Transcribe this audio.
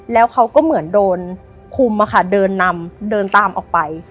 แล้วเขาก็เหมือนโดนคุมอะค่ะเดินนำเดินตามออกไป